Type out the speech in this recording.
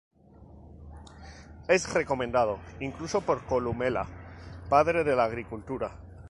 Es recomendado incluso por Columela, padre de la agricultura.